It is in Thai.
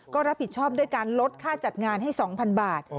ก็รับผิดชอบด้วยการลดค่าจัดงานให้๒๐๐๐บาท